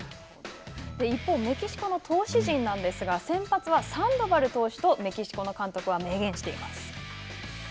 一方、メキシコの投手陣なんですが、先発は、サンドバル投手と、メキシコの監督は明言しています。